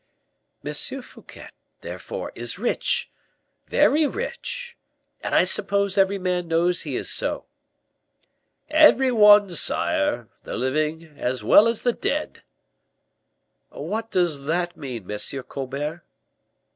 "M. Fouquet, therefore, is rich very rich, and I suppose every man knows he is so." "Every one, sire; the living as well as the dead." "What does that mean, Monsieur Colbert?"